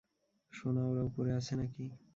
সোনা, ওরা উপরে আছে নাকি?